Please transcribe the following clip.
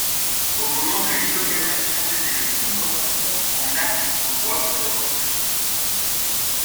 Au moment de l'inauguration, c'était le plus grand pont en arc en bois d'Europe.